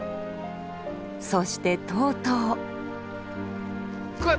そしてとうとう。